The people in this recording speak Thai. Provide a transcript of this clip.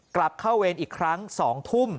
กลับเข้าเวรอีกครั้ง๒ทุ่ม